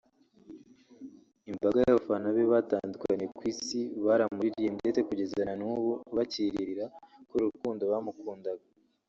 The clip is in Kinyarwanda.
imbaga y’abafana be batandukanye ku isi baramuiririye ndetse kugeza na n’ubu bakirira kubera urukundo bamukundaga